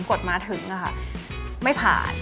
กดมาถึงค่ะไม่ผ่าน